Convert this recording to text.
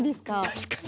確かに。